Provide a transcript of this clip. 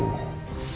aku mau ke rumah